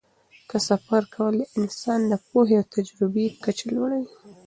د سفر کول د انسان د پوهې او تجربې کچه لوړوي.